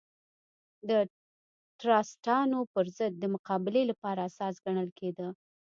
د ټراستانو پر ضد د مقابلې لپاره اساس ګڼل کېده.